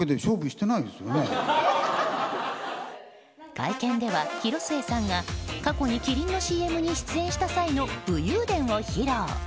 会見では広末さんが過去に麒麟のＣＭに出演した際の武勇伝を披露。